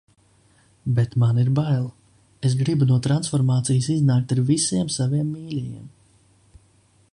Bet man ir bail. Es gribu no transformācijas iznākt ar visiem saviem mīļajiem.